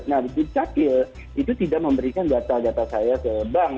nah di dukcapil itu tidak memberikan data data saya ke bank